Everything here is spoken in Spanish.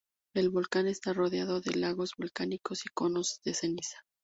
El volcán está rodeado de lagos volcánicos y conos de ceniza.